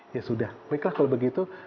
ya sudah mereka kalau begitu